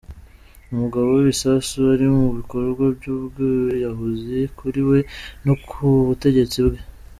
Umugabo w’ibisasu ari mu bikorwa by’ubwiyahuzi kuri we no ku butegetsi bwe.